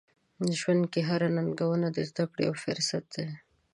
ژوند کې هره ننګونه د زده کړو یو فرصت دی.